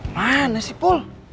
mana sih pol